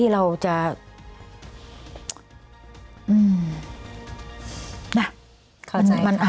เข้าใจครับ